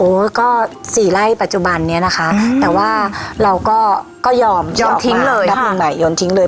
โอ้ก็๔ไร่ปัจจุบันนี้นะคะแต่ว่าเราก็ยอมออกมานับหนึ่งใหม่ยอมทิ้งเลย